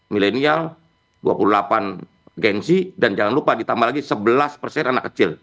milenial dua puluh delapan gengsi dan jangan lupa ditambah lagi sebelas persen anak kecil